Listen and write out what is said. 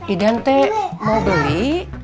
iden teh mau beli